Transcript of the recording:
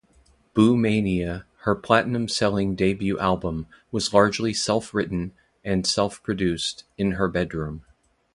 "Boomania", her platinum-selling debut album, was largely self-written and self-produced in her bedroom.